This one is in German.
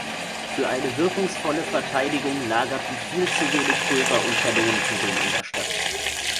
Für eine wirkungsvolle Verteidigung lagerten viel zu wenig Pulver und Kanonenkugeln in der Stadt.